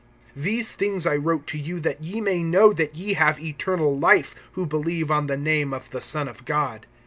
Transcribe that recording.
(13)These things I wrote to you, that ye may know that ye have eternal life, who believe on the name of the Son of God.